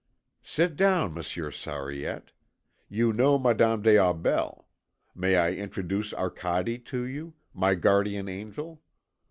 "Sit down, Monsieur Sariette, you know Madame des Aubels. May I introduce Arcade to you, my guardian angel.